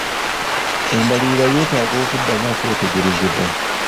Embalirira yeetaaga okuddamu okwetegerezebwa.